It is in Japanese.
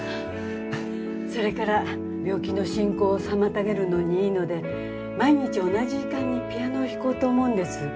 それから病気の進行を妨げるのにいいので毎日同じ時間にピアノを弾こうと思うんです。